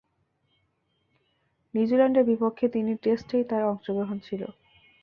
নিউজিল্যান্ডের বিপক্ষে তিন টেস্টেই তার অংশগ্রহণ ছিল।